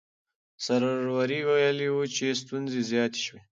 سروري ویلي وو چې ستونزې زیاتې شوې.